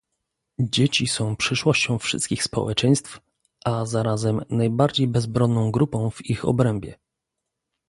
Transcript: Dzieci są przyszłością wszystkich społeczeństw, a zarazem najbardziej bezbronną grupą w ich obrębie